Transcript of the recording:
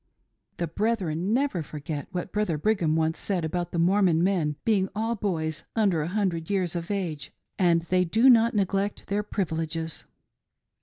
The brethren never forget what Brother Brigham once said about the Mormon men being all boys under a hundred years of age, and they do not neglect their privileges.